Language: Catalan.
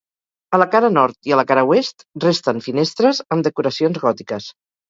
A la cara nord i a la cara oest, resten finestres amb decoracions gòtiques.